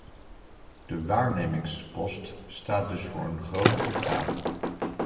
De waarnemingspost staat dus voor een grote opgave.